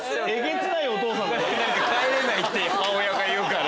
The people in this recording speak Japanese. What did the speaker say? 帰れないって母親が言うから。